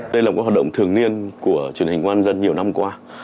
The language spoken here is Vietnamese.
đây là một hoạt động thường niên của truyền hình công an dân nhiều năm qua